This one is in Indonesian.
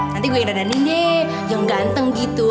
nanti gue yang dana nini yang ganteng gitu